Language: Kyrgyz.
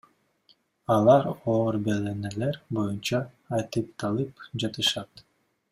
Алар оор беренелер боюнча айтыпталып жатышат.